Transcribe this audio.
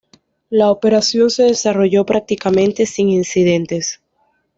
La operación se desarrolló prácticamente sin incidentes.